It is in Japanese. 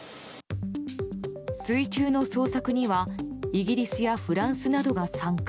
水中の捜索にはイギリスやフランスなどが参加。